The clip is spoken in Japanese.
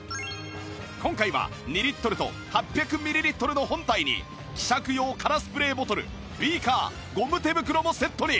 今回は２リットルと８００ミリリットルの本体に希釈用空スプレーボトルビーカーゴム手袋もセットに！